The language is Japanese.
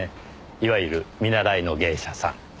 いわゆる見習いの芸者さん。